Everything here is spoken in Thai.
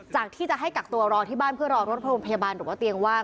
ที่จะให้กักตัวรอที่บ้านเพื่อรอรถโรงพยาบาลหรือว่าเตียงว่าง